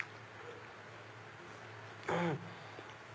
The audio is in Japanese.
うん！